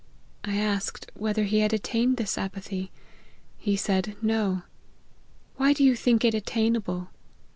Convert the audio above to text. I asked. ' whether he had attained this apathy ?' He said, * No.' ' Why do you think it attainable